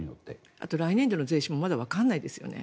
あと、来年度の税収もわからないですよね。